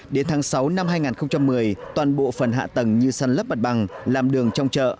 đến tháng sáu năm hai nghìn một mươi toàn bộ phần hạ tầng như săn lấp mặt bằng làm đường trong chợ